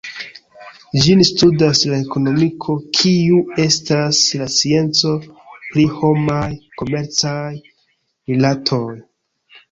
Ĝin studas la ekonomiko kiu estas la scienco pri homaj komercaj rilatoj.